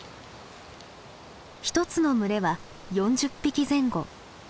１つの群れは４０匹前後。